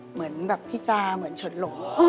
เหมือนพี่จาเหมือนฉดโหล